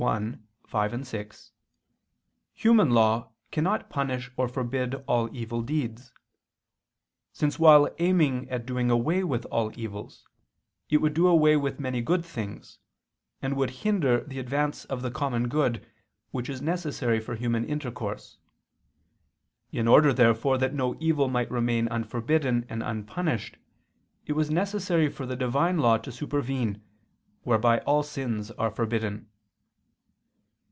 Arb. i, 5, 6), human law cannot punish or forbid all evil deeds: since while aiming at doing away with all evils, it would do away with many good things, and would hinder the advance of the common good, which is necessary for human intercourse. In order, therefore, that no evil might remain unforbidden and unpunished, it was necessary for the Divine law to supervene, whereby all sins are forbidden.